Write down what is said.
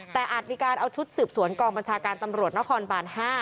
แต่อาจมีการเอาชุดสืบสวนกองบัญชาการตำรวจนครบาน๕